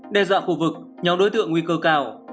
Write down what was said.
đe dọa khu vực nhóm đối tượng nguy cơ cao